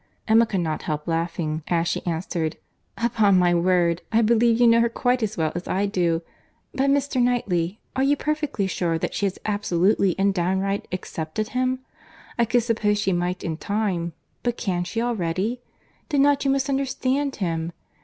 Emma could not help laughing as she answered, "Upon my word, I believe you know her quite as well as I do.—But, Mr. Knightley, are you perfectly sure that she has absolutely and downright accepted him. I could suppose she might in time—but can she already?—Did not you misunderstand him?